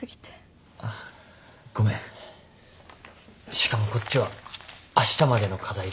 しかもこっちはあしたまでの課題でしょ？